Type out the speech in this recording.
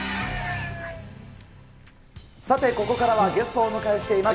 さて、ここからはゲストをお迎えしています。